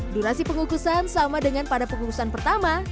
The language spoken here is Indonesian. durasi pengukusan sama dengan pada pengukusan pertama